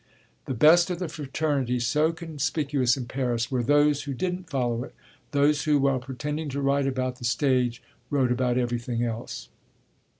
The best of the fraternity, so conspicuous in Paris, were those who didn't follow it those who, while pretending to write about the stage, wrote about everything else.